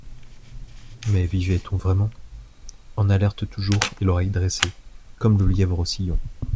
Mais vivait-on vraiment ? En alerte toujours et l'oreille dressée, comme le lièvre au sillon.